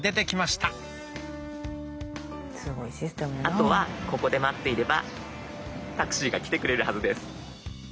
あとはここで待っていればタクシーが来てくれるはずです。